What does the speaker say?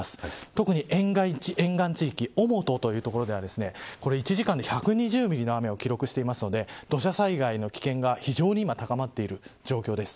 特に沿岸地域オモトという所では１時間に１２０ミリの雨を記録しているので土砂災害の危険が非常に高まっている状況です。